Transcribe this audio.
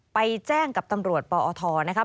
ไปแจ้งกับตำรวจปอทนะครับ